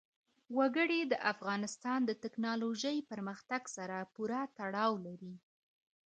وګړي د افغانستان د تکنالوژۍ پرمختګ سره پوره تړاو لري.